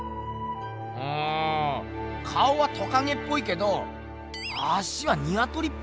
うん顔はトカゲっぽいけど足はニワトリっぽいな。